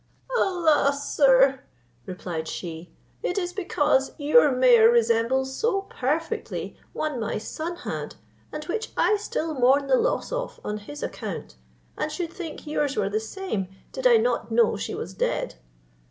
"Alas ! sir," replied she, "it is because your mare resembles so perfectly one my son had, and which I still mourn the loss of on his account, and should think yours were the same, did I not know she was dead.